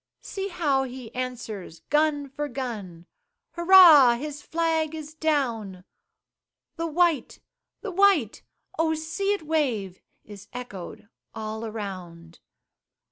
See how he answers gun for gun Hurrah! his flag is down! The white! the white! Oh see it wave! Is echoed all around.